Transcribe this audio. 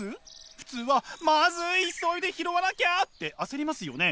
普通は「まずい急いで拾わなきゃ！」って焦りますよね？